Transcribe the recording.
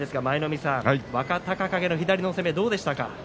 舞の海さん、若隆景の左の攻めどうでしたか？